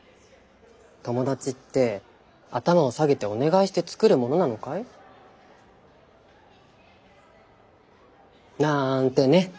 友達って頭を下げてお願いして作るものなのかい？なんてね。